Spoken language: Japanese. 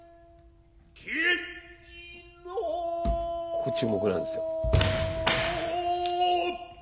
ここ注目なんですよ。